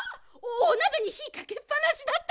おなべにひかけっぱなしだった！